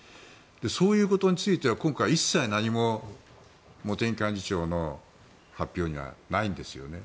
そういうことについては今回、一切何も茂木幹事長の発表にはないんですよね。